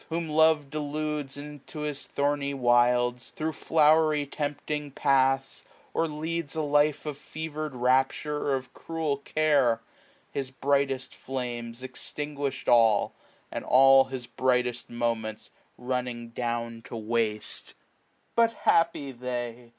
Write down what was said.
Whom love deludes into hi^ thoxny wilds, 1 105 Thro' flowery tempting paths, or leads a life Of fever^ japture, or of cruel care ; His brightest flames extinguished all, and all His brightest moments running down t,o waste^ SPRING. 43 But happy they!